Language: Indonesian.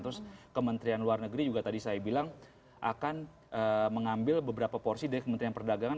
terus kementerian luar negeri juga tadi saya bilang akan mengambil beberapa porsi dari kementerian perdagangan